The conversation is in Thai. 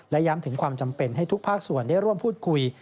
และย้ำถึงความจำเป็นให้ทุกภาคส่วนได้ร่วมพูดคุย